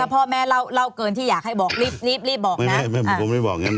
หรือว่าพ่อแม่เล่าเกินที่อยากให้บอกรีบบอกนะ